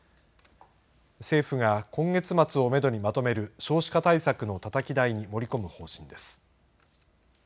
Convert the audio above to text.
政府が今月末をメドにまとめる少子化対策のたたき台に盛り込む方針です。